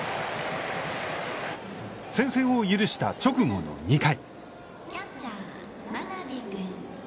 先制を許した直後の２回。